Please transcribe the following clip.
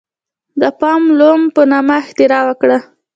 د پاور لوم په نامه اختراع وکړه.